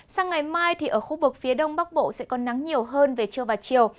sáng ngày mai ở khu vực phía đông bắc bộ sẽ có nắng nhiều hơn về trưa và chiều